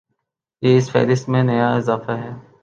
یہ اس فہرست میں نیا اضافہ ہے۔